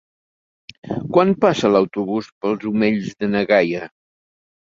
Quan passa l'autobús per els Omells de na Gaia?